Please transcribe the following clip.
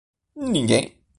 Ninguém